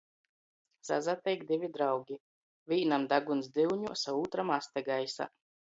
Sasateik div draugi. Vīnam daguns dyuņuos, a ūtram aste gaisā.